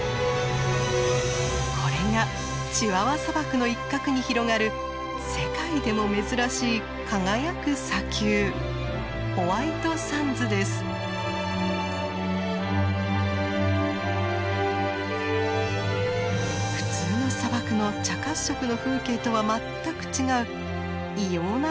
これがチワワ砂漠の一角に広がる世界でも珍しい輝く砂丘普通の砂漠の茶褐色の風景とは全く違う異様なまでの純白の輝き。